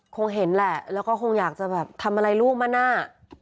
คงเห็นแหละแล้วก็คงอยากจะแบบทำอะไรลูกมะนา